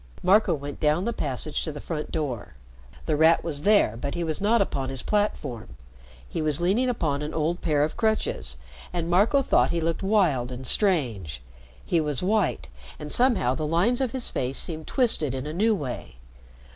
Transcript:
Marco went down the passage to the front door. The Rat was there, but he was not upon his platform. He was leaning upon an old pair of crutches, and Marco thought he looked wild and strange. He was white, and somehow the lines of his face seemed twisted in a new way.